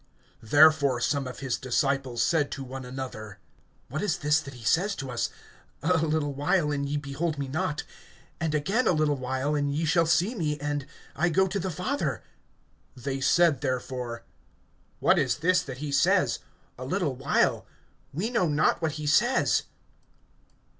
(17)Therefore some of his disciples said to one another: What is this that he says to us, A little while, and ye behold me not; and again a little while, and ye shall see me; and, I go to the Father? (18)They said therefore: What is this that he says, A little while? We know not what he says.